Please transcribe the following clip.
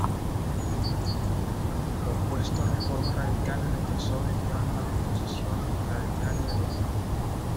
Opuesto a reformas radicales, rechazó de plano las posiciones radicales de los bolcheviques.